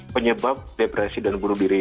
penyebab depresi dan bunuh diri